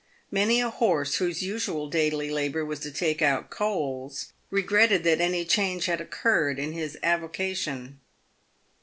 Many a horse whose usual daily labour was to take out coals regretted that any change had occurred in his avocation.